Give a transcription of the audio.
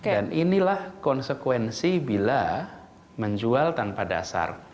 dan inilah konsekuensi bila menjual tanpa dasar